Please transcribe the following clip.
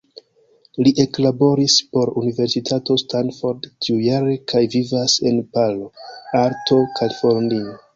Li eklaboris por Universitato Stanford tiujare kaj vivas en Palo Alto, Kalifornio.